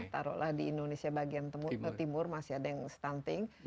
taruhlah di indonesia bagian timur masih ada yang stunting